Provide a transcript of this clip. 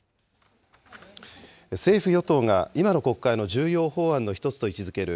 政府・与党が今の国会の重要法案の１つと位置づける